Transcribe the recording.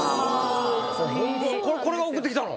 これが送ってきたの？